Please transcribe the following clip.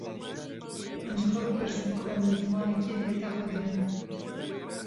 Em ji xwe bipirsin ku em bi zimanê kê nêta xwe dînin